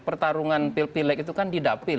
pertarungan pil pilek itu kan di dapil